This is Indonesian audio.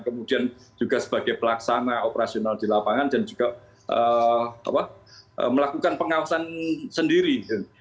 kemudian juga sebagai pelaksana operasional di lapangan dan juga melakukan pengawasan sendiri